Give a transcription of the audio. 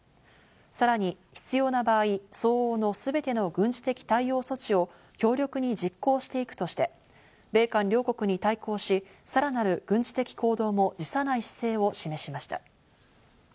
さらに必要な場合、相応のすべての軍事的対応措置を強力に実行していくとして、米韓両国に対抗し、さらなる軍事的行動も辞さない姿勢を示しました。